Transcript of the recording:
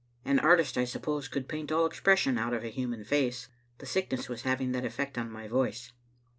An artist, I suppose, could paint all expression out of a human face. The sickness was having that effect on my voice.